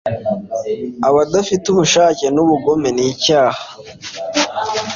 abadafite ubushake nubugome nicyaha